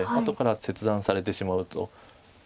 後から切断されてしまうと。